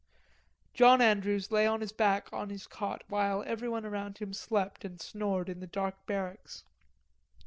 John Andrews lay on his back on his cot while everyone about him slept and snored in the dark barracks.